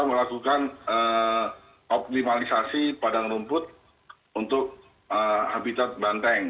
melakukan optimalisasi padang rumput untuk habitat banteng